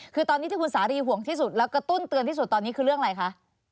คือตอนนี้ที่คุณสาลีห่วงที่สุดแล้วกระตุ้นเตือนที่สุดตอนนี้คือเรื่องอะไรคะ